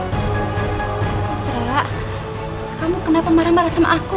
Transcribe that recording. putra kamu kenapa marah marah sama aku